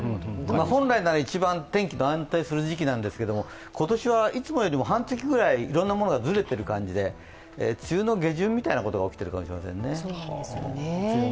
本来なら一番天気が安定する時期なんですが、今年はいつもより半月ぐらいいろいろなものがずれている感じで梅雨の後半みたいなことが起きてるかもしれないですね。